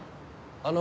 あの。